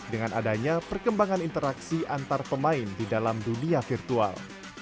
dengan adanya perkembangan interaksi antar pemain di dalam dunia virtual